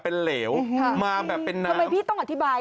ภาษาแรกที่สุดท้าย